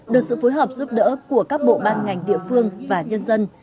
được sự phối hợp giúp đỡ của các bộ ban ngành địa phương và nhân dân